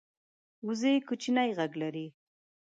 وزې کوچنی غږ لري